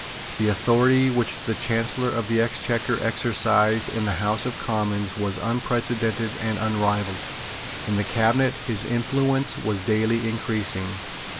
The authority which the Chancellor of the Exchequer exercised in the House of Commons was unprecedented and unrivalled. In the Cabinet his influence was daily increasing.